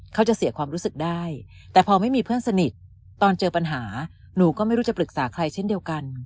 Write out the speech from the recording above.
เขาจะเสียความรู้สึกได้แต่พอไม่มีเพื่อนสนิทตอนเจอปัญหาหนูก็ไม่รู้จะปรึกษาใครเช่นเดียวกัน